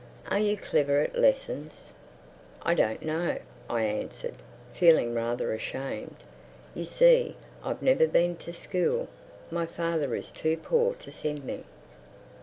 "Are you clever at lessons?" "I don't know," I answered, feeling rather ashamed. "You see, I've never been to school. My father is too poor to send me."